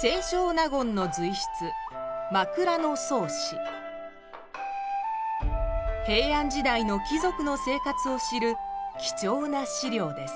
清少納言の随筆「枕草子」平安時代の貴族の生活を知る貴重な資料です。